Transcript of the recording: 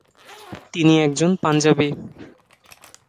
তিনি একজন পাঞ্জাবি।